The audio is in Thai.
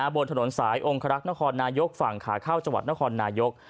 บนถนนสายองคลักษรนายกฝั่งขาเข้าจังหวัดนครนายก